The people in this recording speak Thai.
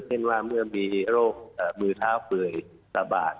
เช่นว่าเมื่อมีโรคมือเท้าเปื่อยระบาด